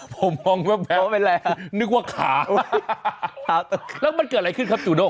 ผมมองแววไปแล้วนึกว่าขาแล้วมันเกิดอะไรขึ้นครับจูโด่